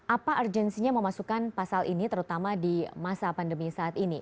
apa urgensinya memasukkan pasal ini terutama di masa pandemi saat ini